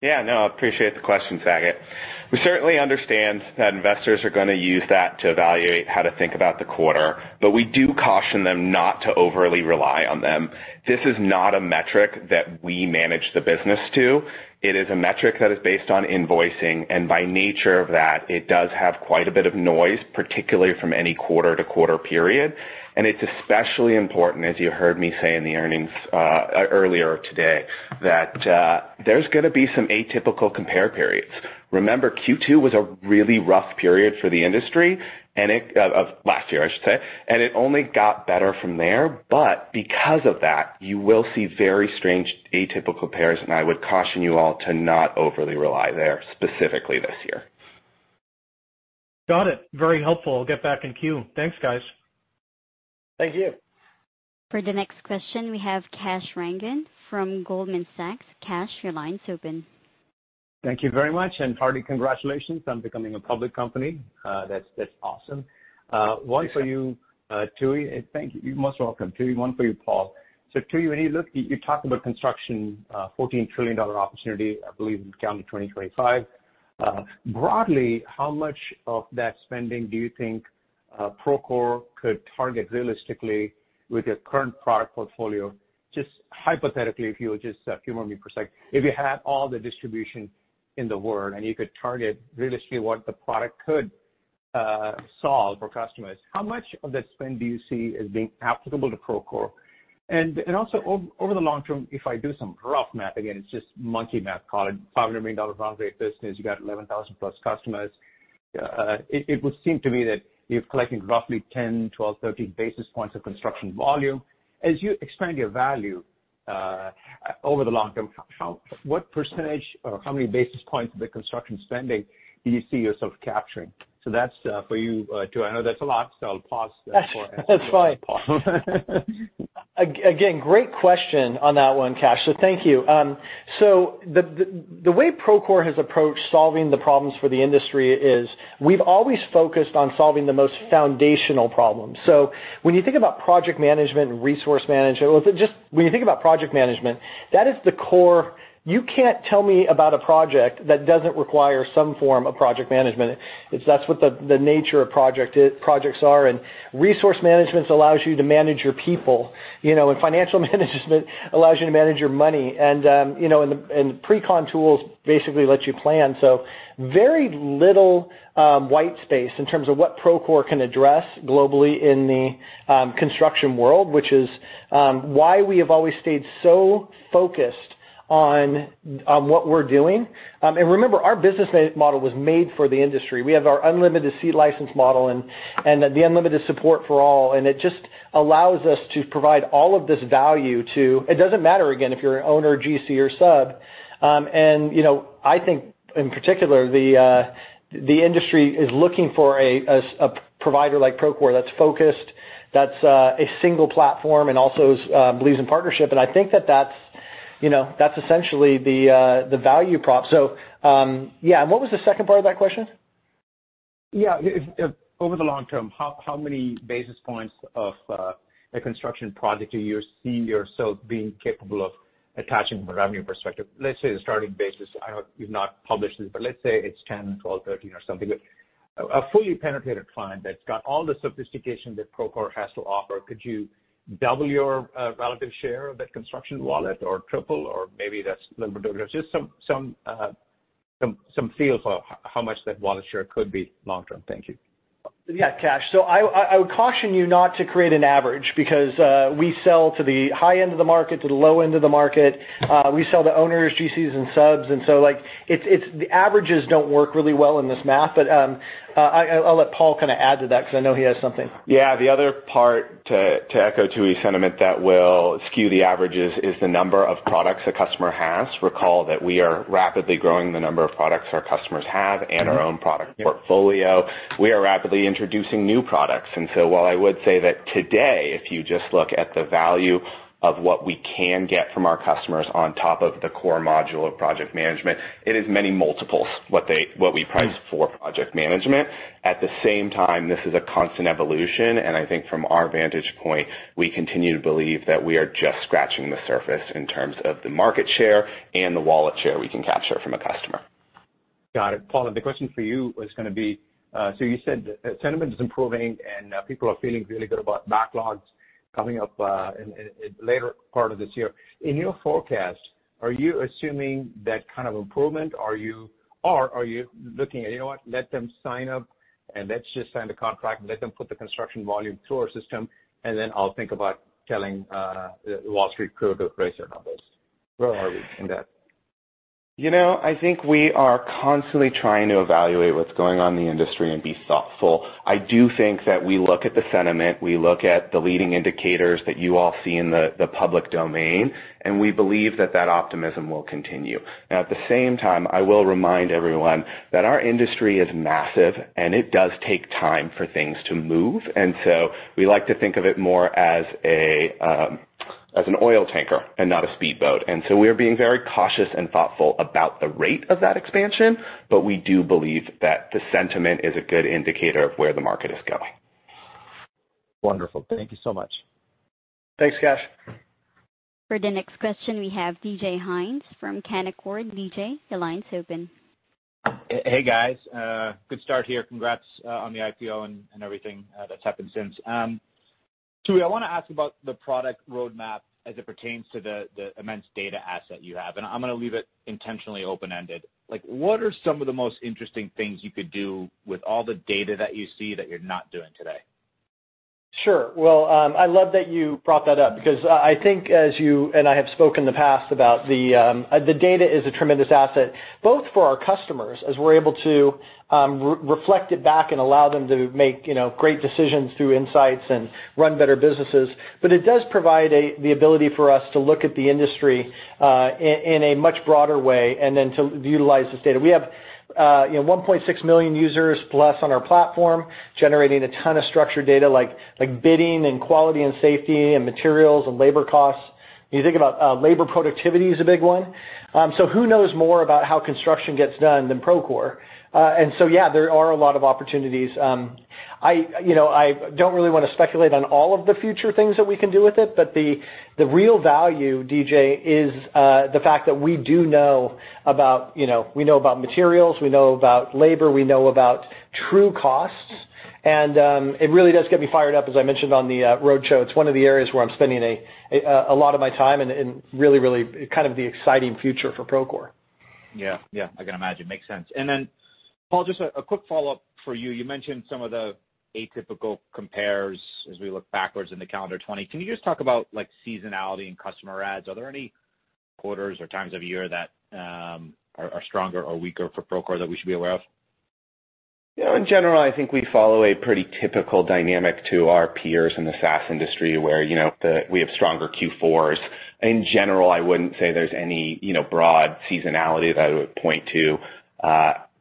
Yeah, no, I appreciate the question, Saket. We certainly understand that investors are going to use that to evaluate how to think about the quarter, but we do caution them not to overly rely on them. It is not a metric that we manage the business to. It is a metric that is based on invoicing, and by nature of that, it does have quite a bit of noise, particularly from any quarter-to-quarter period. It's especially important, as you heard me say in the earnings earlier today, that there's going to be some atypical compare periods. Remember, Q2 was a really rough period for the industry, and of last year, I should say, and it only got better from there. Because of that, you will see very strange atypical pairs, and I would caution you all to not overly rely there specifically this year. Got it. Very helpful. I'll get back in queue. Thanks, guys. Thank you. For the next question, we have Kash Rangan from Goldman Sachs. Kash, your line's open. Thank you very much, and hearty congratulations on becoming a public company. That's awesome. Thank you. One for you, Tooey. Thank you. You're most welcome, Tooey. One for you, Paul. Tooey, when you look, you talked about construction, $14 trillion opportunity, I believe counting 2025. Broadly, how much of that spending do you think Procore could target realistically with your current product portfolio? Just hypothetically, if you would, just a few more minutes per second. If you had all the distribution in the world and you could target realistically what the product could solve for customers, how much of that spend do you see as being applicable to Procore? Over the long term, if I do some rough math, again, it's just monkey math, call it $500 million run rate business, you got 11,000+ customers. It would seem to me that you're collecting roughly 10, 12, 13 basis points of construction volume. As you expand your value over the long term, what percentage or how many basis points of the construction spending do you see yourself capturing? That's for you, Tooey. I know that's a lot, so I'll pause. That's fine. Again, great question on that one, Kash. Thank you. The way Procore has approached solving the problems for the industry is we've always focused on solving the most foundational problems. When you think about project management and resource management, well, just when you think about project management, that is the core. You can't tell me about a project that doesn't require some form of project management. That's what the nature of projects are. Resource management allows you to manage your people, and financial management allows you to manage your money. The pre-con tools basically lets you plan. Very little white space in terms of what Procore can address globally in the construction world, which is why we have always stayed so focused on what we're doing. Remember, our business model was made for the industry. We have our unlimited seat license model and the unlimited support for all, and it just allows us to provide all of this value to, it doesn't matter, again, if you're an owner, GC, or sub. I think in particular, the industry is looking for a provider like Procore that's focused, that's a single platform, and also believes in partnership. I think that's essentially the value prop. Yeah. What was the second part of that question? Yeah. Over the long term, how many basis points of a construction project do you see yourself being capable of attaching from a revenue perspective? Let's say the starting basis, I know you've not published this, but let's say it's 10, 12, 13 or something. A fully penetrated client that's got all the sophistication that Procore has to offer, could you double your relative share of that construction wallet or triple? Maybe that's limited. Just some feel for how much that wallet share could be long term. Thank you. Yeah, Kash. I would caution you not to create an average because we sell to the high end of the market, to the low end of the market. We sell to owners, GCs, and subs. The averages don't work really well in this math. I'll let Paul kind of add to that because I know he has something. The other part, to echo Tooey's sentiment, that will skew the averages is the number of products a customer has. Recall that we are rapidly growing the number of products our customers have and our own product portfolio. We are rapidly introducing new products. While I would say that today, if you just look at the value of what we can get from our customers on top of the core module of project management, it is many multiples what we price for project management. At the same time, this is a constant evolution, and I think from our vantage point, we continue to believe that we are just scratching the surface in terms of the market share and the wallet share we can capture from a customer. Got it. Paul, the question for you is going to be, you said sentiment is improving, and people are feeling really good about backlogs coming up in later part of this year. In your forecast, are you assuming that kind of improvement, or are you looking at, you know what, let them sign up and let's just sign the contract and let them put the construction volume through our system, then I'll think about telling Wall Street crew to raise their numbers. Where are we in that? I think we are constantly trying to evaluate what's going on in the industry and be thoughtful. I do think that we look at the sentiment, we look at the leading indicators that you all see in the public domain, and we believe that that optimism will continue. At the same time, I will remind everyone that our industry is massive, and it does take time for things to move. We like to think of it more as an oil tanker and not a speedboat. We are being very cautious and thoughtful about the rate of that expansion, but we do believe that the sentiment is a good indicator of where the market is going. Wonderful. Thank you so much. Thanks, Kash. For the next question, we have DJ Hynes from Canaccord. DJ, your line's open. Hey, guys. Good start here. Congrats on the IPO and everything that's happened since. Tooey, I want to ask about the product roadmap as it pertains to the immense data asset you have, and I'm going to leave it intentionally open-ended. What are some of the most interesting things you could do with all the data that you see that you're not doing today? Sure. Well, I love that you brought that up because I think as you and I have spoken in the past about the data is a tremendous asset, both for our customers as we're able to reflect it back and allow them to make great decisions through insights and run better businesses. It does provide the ability for us to look at the industry in a much broader way and then to utilize this data. We have 1.6 million users plus on our platform, generating a ton of structured data like bidding and quality and safety and materials and labor costs. You think about labor productivity is a big one. Who knows more about how construction gets done than Procore? Yeah, there are a lot of opportunities. I don't really want to speculate on all of the future things that we can do with it, but the real value, DJ, is the fact that we do know about materials, we know about labor, we know about true costs. It really does get me fired up, as I mentioned on the roadshow. It's one of the areas where I'm spending a lot of my time and really kind of the exciting future for Procore. Yeah. I can imagine. Makes sense. Paul, just a quick follow-up for you. You mentioned some of the atypical compares as we look backwards into calendar 2020. Can you just talk about seasonality and customer adds? Are there any quarters or times of year that are stronger or weaker for Procore that we should be aware of? In general, I think we follow a pretty typical dynamic to our peers in the SaaS industry where we have stronger Q4s. In general, I wouldn't say there's any broad seasonality that I would point to.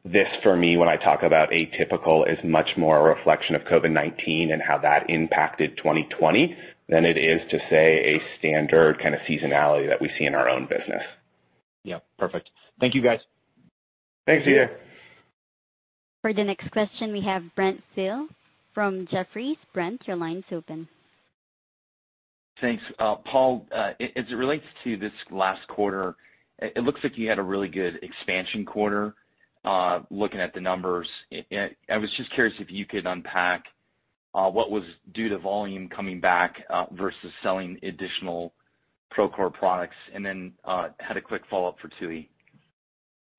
This, for me, when I talk about atypical, is much more a reflection of COVID-19 and how that impacted 2020 than it is to say a standard kind of seasonality that we see in our own business. Yeah. Perfect. Thank you, guys. Thanks, DJ. For the next question, we have Brent Thill from Jefferies. Brent, your line's open. Thanks. Paul, as it relates to this last quarter, it looks like you had a really good expansion quarter, looking at the numbers. I was just curious if you could unpack what was due to volume coming back, versus selling additional Procore products. Then, had a quick follow-up for Tooey.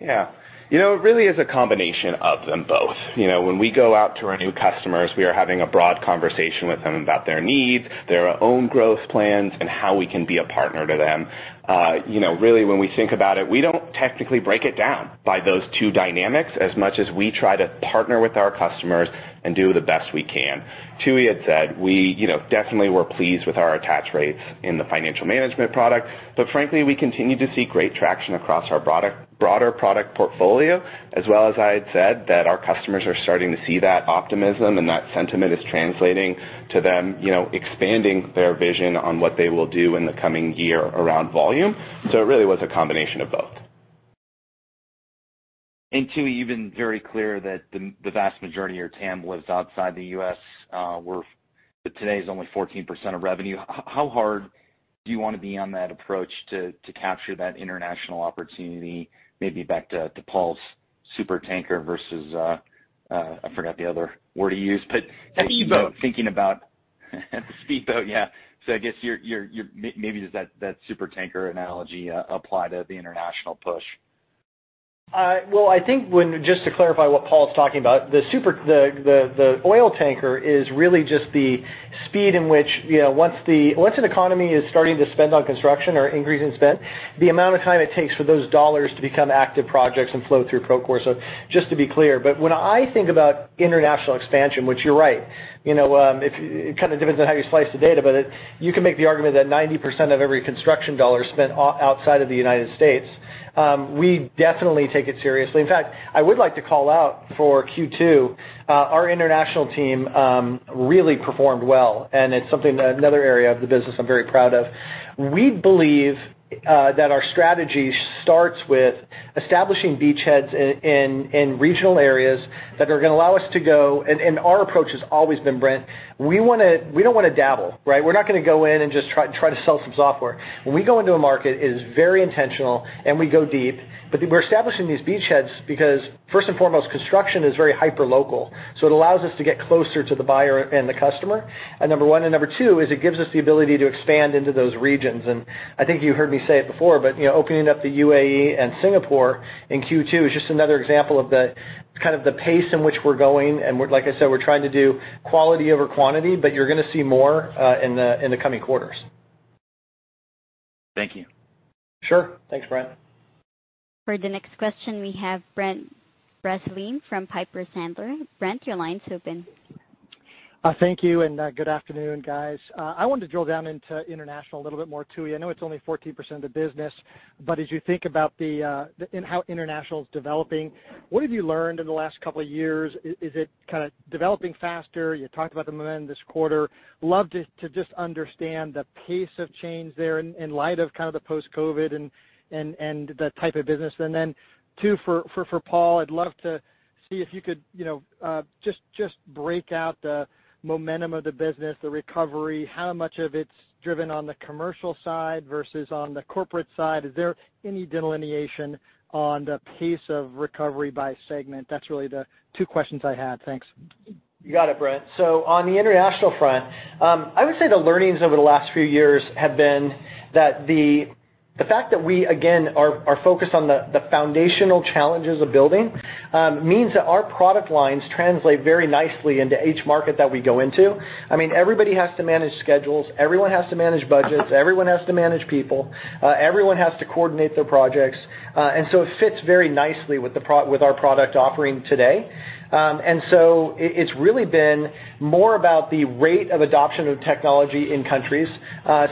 Yeah. It really is a combination of them both. When we go out to our new customers, we are having a broad conversation with them about their needs, their own growth plans, and how we can be a partner to them. When we think about it, we don't technically break it down by those two dynamics as much as we try to partner with our customers and do the best we can. Tooey had said, definitely we're pleased with our attach rates in the financial management product, but frankly, we continue to see great traction across our broader product portfolio. I had said that our customers are starting to see that optimism and that sentiment is translating to them expanding their vision on what they will do in the coming year around volume. It really was a combination of both. Tooey, you've been very clear that the vast majority of your TAM lives outside the U.S., where today is only 14% of revenue. How hard do you want to be on that approach to capture that international opportunity? Maybe back to Paul's super tanker versus, I forgot the other word he used. Speedboat. Thinking about speedboat, yeah. I guess maybe does that super tanker analogy apply to the international push? Well, I think just to clarify what Paul's talking about, the oil tanker is really just the speed in which once an economy is starting to spend on construction or increasing spend, the amount of time it takes for those dollars to become active projects and flow through Procore. Just to be clear. When I think about international expansion, which you're right, it kind of depends on how you slice the data, but you can make the argument that 90% of every construction dollar is spent outside of the United States. We definitely take it seriously. In fact, I would like to call out for Q2 our international team really performed well, and it's another area of the business I'm very proud of. We believe that our strategy starts with establishing beachheads in regional areas that are going to allow us to go, and our approach has always been, Brent, we don't want to dabble, right? We're not going to go in and just try to sell some software. When we go into a market, it is very intentional, and we go deep. We're establishing these beachheads because first and foremost, construction is very hyper-local, so it allows us to get closer to the buyer and the customer, number one. Number two is it gives us the ability to expand into those regions. I think you heard me say it before, but opening up the UAE and Singapore in Q2 is just another example of the kind of the pace in which we're going. Like I said, we're trying to do quality over quantity, but you're going to see more in the coming quarters. Thank you. Sure. Thanks, Brent. For the next question, we have Brent Bracelin from Piper Sandler. Brent, your line's open. Thank you, good afternoon, guys. I wanted to drill down into international a little bit more too. I know it's only 14% of the business, but as you think about how international's developing, what have you learned in the last couple of years? Is it kind of developing faster? You talked about the momentum this quarter. Love to just understand the pace of change there in light of the post-COVID and that type of business. Two, for Paul, I'd love to see if you could just break out the momentum of the business, the recovery, how much of it's driven on the commercial side versus on the corporate side. Is there any delineation on the pace of recovery by segment? That's really the two questions I had. Thanks. You got it, Brent. On the international front, I would say the learnings over the last few years have been that the fact that we, again, are focused on the foundational challenges of building, means that our product lines translate very nicely into each market that we go into. Everybody has to manage schedules, everyone has to manage budgets, everyone has to manage people. Everyone has to coordinate their projects. It fits very nicely with our product offering today. It's really been more about the rate of adoption of technology in countries.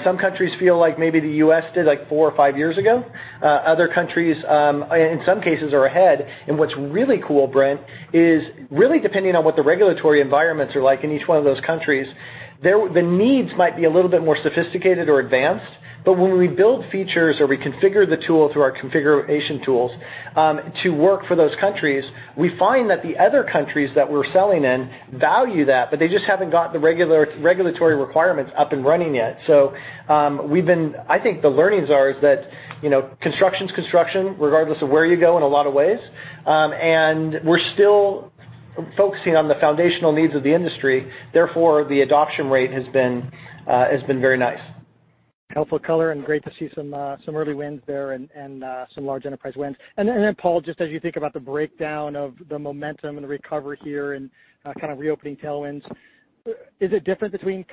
Some countries feel like maybe the U.S. did like four or five years ago. Other countries, in some cases, are ahead. What's really cool, Brent, is really depending on what the regulatory environments are like in each one of those countries, the needs might be a little bit more sophisticated or advanced. When we build features or we configure the tool through our configuration tools to work for those countries, we find that the other countries that we're selling in value that, but they just haven't got the regulatory requirements up and running yet. I think the learnings are is that construction's construction, regardless of where you go in a lot of ways. We're still focusing on the foundational needs of the industry, therefore, the adoption rate has been very nice. Helpful color, great to see some early wins there and some large enterprise wins. Paul, just as you think about the breakdown of the momentum and the recovery here and kind of reopening tailwinds, is it different between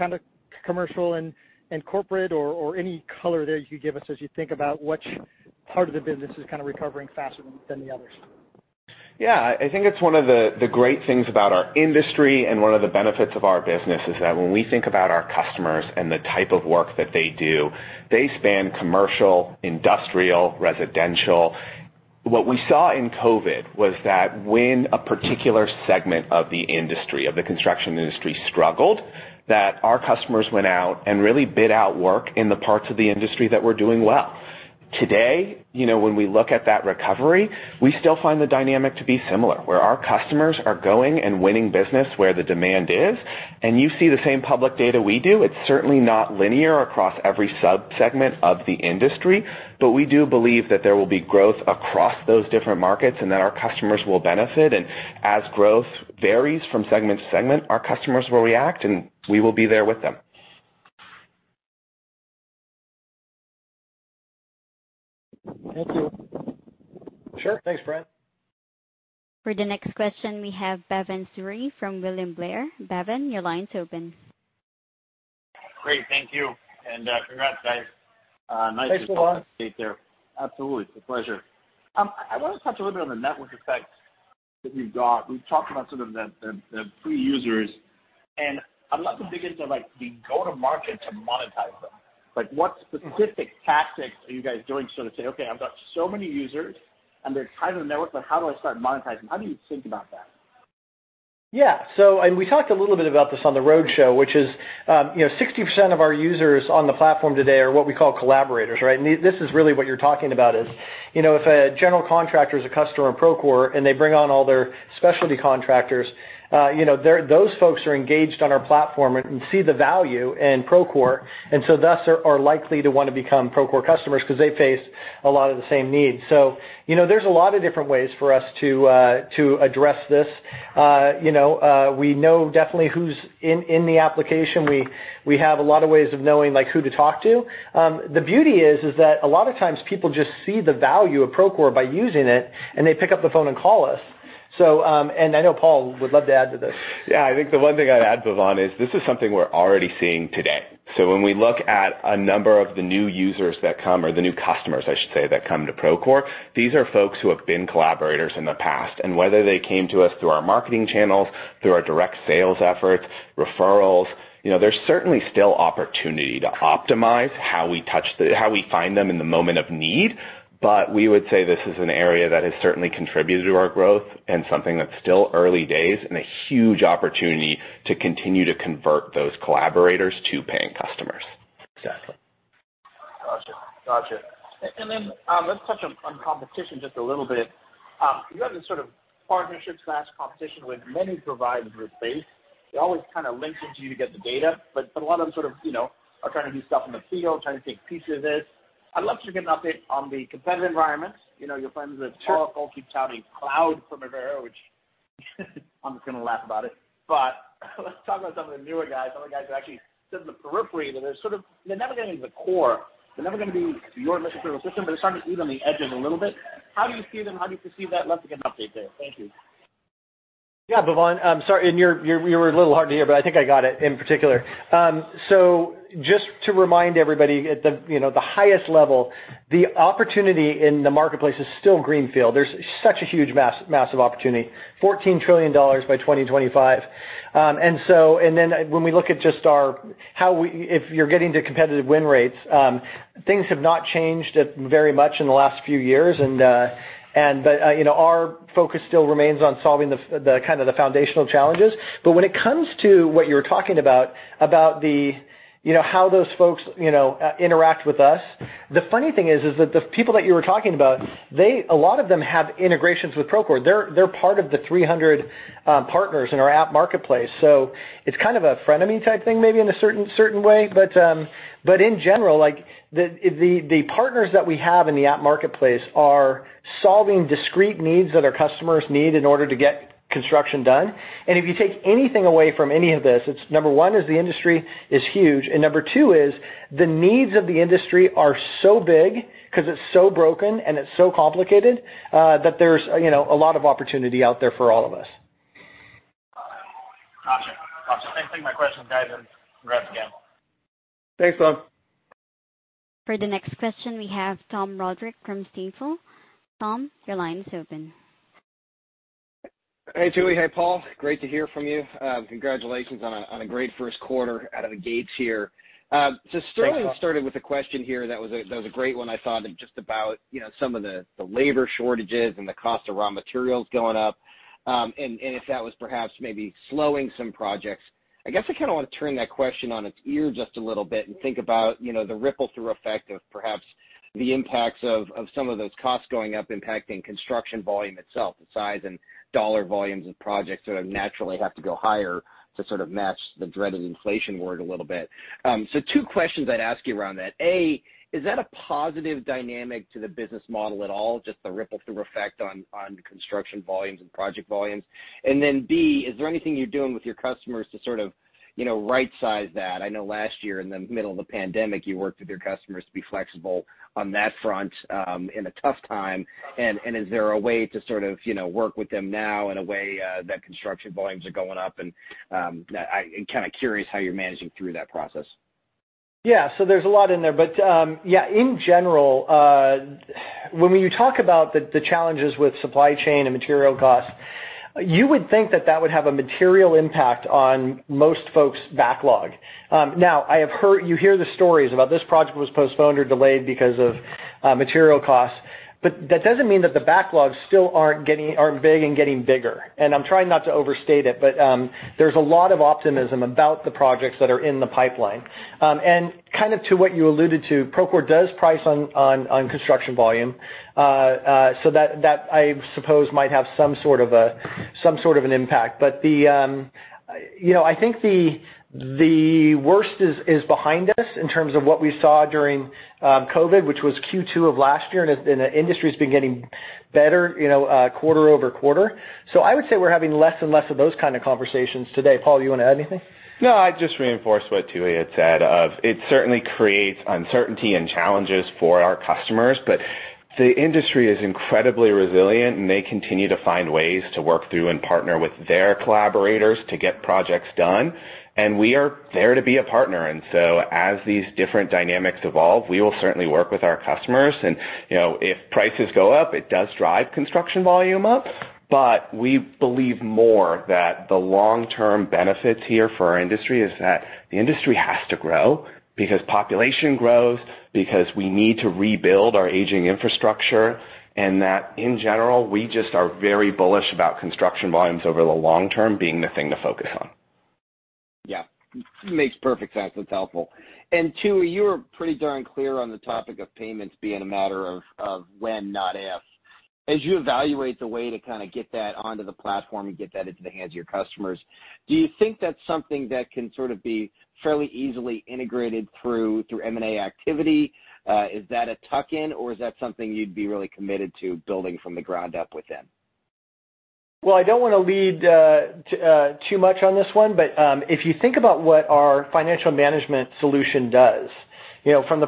commercial and corporate or any color there you could give us as you think about which part of the business is recovering faster than the others? Yeah, I think it's one of the great things about our industry and one of the benefits of our business is that when we think about our customers and the type of work that they do, they span commercial, industrial, residential. What we saw in COVID was that when a particular segment of the industry, of the construction industry, struggled, that our customers went out and really bid out work in the parts of the industry that were doing well. Today, when we look at that recovery, we still find the dynamic to be similar, where our customers are going and winning business where the demand is, and you see the same public data we do. It's certainly not linear across every sub-segment of the industry. We do believe that there will be growth across those different markets and that our customers will benefit. As growth varies from segment to segment, our customers will react, and we will be there with them. Thank you. Sure. Thanks, Brent. For the next question, we have Bhavan Suri from William Blair. Bhavan, your line's open. Great. Thank you. Congrats, guys. Thanks, Bhavan. Nice to see the update there. Absolutely. It's a pleasure. I want to touch a little bit on the network effects that you've got. We've talked about some of the free users, and I'd love to dig into, like, the go-to-market to monetize them. Like, what specific tactics are you guys doing to say, "Okay, I've got so many users, and they're tied to the network, but how do I start monetizing?" How do you think about that? Yeah. We talked a little bit about this on the roadshow, which is, 60% of our users on the platform today are what we call collaborators, right? This is really what you're talking about is. If a general contractor is a customer in Procore, and they bring on all their specialty contractors, those folks are engaged on our platform and see the value in Procore, thus are likely to want to become Procore customers because they face a lot of the same needs. There's a lot of different ways for us to address this. We know definitely who's in the application. We have a lot of ways of knowing who to talk to. The beauty is that a lot of times people just see the value of Procore by using it, and they pick up the phone and call us. I know Paul would love to add to this. Yeah, I think the one thing I'd add, Bhavan, is this is something we're already seeing today. When we look at a number of the new users that come, or the new customers, I should say, that come to Procore, these are folks who have been collaborators in the past. Whether they came to us through our marketing channels, through our direct sales efforts, referrals, there's certainly still opportunity to optimize how we find them in the moment of need. We would say this is an area that has certainly contributed to our growth and something that's still early days and a huge opportunity to continue to convert those collaborators to paying customers. Exactly. Gotcha. Then let's touch on competition just a little bit. You have this sort of partnership/competition with many providers who are faced. They always link into you to get the data. A lot of them are trying to do stuff in the field, trying to take pieces of this. I'd love to get an update on the competitive environment. Your friends at Oracle keep touting cloud from everywhere, which I'm just going to laugh about it. Let's talk about some of the newer guys, some of the guys that are actually sitting in the periphery. They're never going to be the core, they're never going to be your mission-critical system, but they're starting to eat on the edges a little bit. How do you see them? How do you perceive that? Love to get an update there. Thank you. Yeah, Bhavan. I'm sorry, and you were a little hard to hear, but I think I got it, in particular. Just to remind everybody at the highest level, the opportunity in the marketplace is still greenfield. There's such a huge, massive opportunity, $14 trillion by 2025. When we look at if you're getting to competitive win rates, things have not changed very much in the last few years. Our focus still remains on solving the foundational challenges. When it comes to what you're talking about how those folks interact with us, the funny thing is that the people that you were talking about, a lot of them have integrations with Procore. They're part of the 300 partners in our app marketplace. It's kind of a frenemy type thing, maybe in a certain way. In general, the partners that we have in the app marketplace are solving discrete needs that our customers need in order to get construction done. If you take anything away from any of this, it's number one is the industry is huge, and number two is the needs of the industry are so big because it's so broken and it's so complicated, that there's a lot of opportunity out there for all of us. Gotcha. Thanks for taking my questions, guys, and congrats again. Thanks, Bhav. For the next question, we have Tom Roderick from Stifel. Tom, your line is open. Hey, Tooey. Hey, Paul. Great to hear from you. Congratulations on a great first quarter out of the gates here. Thanks, Tom. Sterling started with a question here that was a great one, I thought, just about some of the labor shortages and the cost of raw materials going up, and if that was perhaps maybe slowing some projects. I guess I kind of want to turn that question on its ear just a little bit and think about the ripple-through effect of perhaps the impacts of some of those costs going up impacting construction volume itself, the size and dollar volumes of projects sort of naturally have to go higher to sort of match the dreaded inflation word a little bit. Two questions I'd ask you around that. A, is that a positive dynamic to the business model at all, just the ripple-through effect on construction volumes and project volumes? And then, B, is there anything you're doing with your customers to sort of right-size that? I know last year, in the middle of the pandemic, you worked with your customers to be flexible on that front in a tough time. Is there a way to sort of work with them now in a way that construction volumes are going up? I'm kind of curious how you're managing through that process. Yeah. There's a lot in there. Yeah, in general, when you talk about the challenges with supply chain and material costs, you would think that that would have a material impact on most folks' backlog. Now, you hear the stories about this project was postponed or delayed because of material costs. That doesn't mean that the backlogs still aren't big and getting bigger. I'm trying not to overstate it, but there's a lot of optimism about the projects that are in the pipeline. Kind of to what you alluded to, Procore does price on construction volume. That, I suppose, might have some sort of an impact. I think the worst is behind us in terms of what we saw during COVID, which was Q2 of last year, and the industry's been getting better quarter-over-quarter. I would say we're having less and less of those kind of conversations today. Paul, you want to add anything? No, I'd just reinforce what Tooey had said, of it certainly creates uncertainty and challenges for our customers, but the industry is incredibly resilient, and they continue to find ways to work through and partner with their collaborators to get projects done, and we are there to be a partner. As these different dynamics evolve, we will certainly work with our customers. If prices go up, it does drive construction volume up. We believe more that the long-term benefits here for our industry is that the industry has to grow because population grows, because we need to rebuild our aging infrastructure, and that, in general, we just are very bullish about construction volumes over the long term being the thing to focus on. Yeah. Makes perfect sense. That's helpful. Tooey, you were pretty darn clear on the topic of payments being a matter of when, not if. As you evaluate the way to kind of get that onto the platform and get that into the hands of your customers, do you think that's something that can sort of be fairly easily integrated through M&A activity? Is that a tuck-in, or is that something you'd be really committed to building from the ground up within? Well, I don't want to lead too much on this one, but if you think about what our financial management solution does, from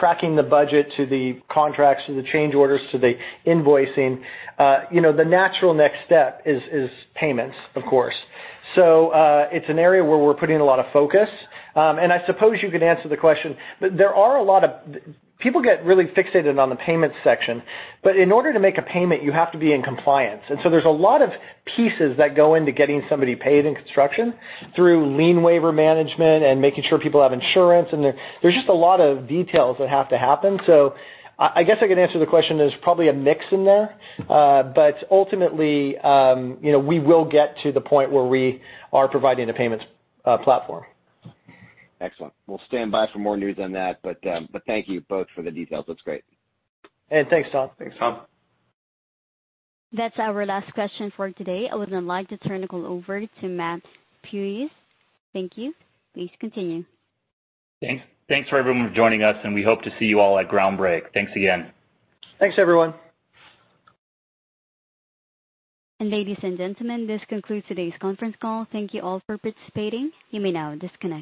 tracking the budget to the contracts to the change orders to the invoicing, the natural next step is payments, of course. It's an area where we're putting a lot of focus. I suppose you could answer the question. People get really fixated on the payments section, but in order to make a payment, you have to be in compliance. There's a lot of pieces that go into getting somebody paid in construction through lien waiver management and making sure people have insurance, and there's just a lot of details that have to happen. I guess I could answer the question, there's probably a mix in there. Ultimately, we will get to the point where we are providing a payments platform. Excellent. We'll stand by for more news on that. Thank you both for the details. That's great. Thanks, Tom. Thanks, Tom. That's our last question for today. I would then like to turn the call over to Matt Puljiz. Thank you. Please continue. Thanks for everyone for joining us, and we hope to see you all at Groundbreak. Thanks again. Thanks, everyone. Ladies and gentlemen, this concludes today's conference call. Thank you all for participating. You may now disconnect.